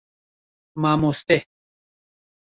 Mamoste